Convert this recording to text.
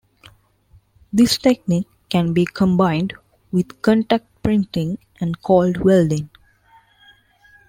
This technique can be combined with contact printing and cold welding.